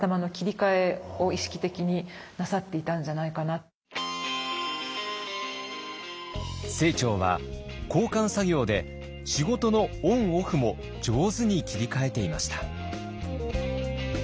そういう意味では非常に清張は交換作業で仕事のオンオフも上手に切り替えていました。